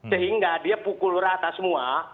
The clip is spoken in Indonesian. sehingga dia pukul rata semua